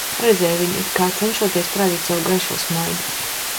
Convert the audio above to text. Redzēju viņu, it kā cenšoties parādīt savu gaišo smaidu.